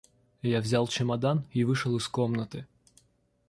Я взял чемодан и вышел из комнаты.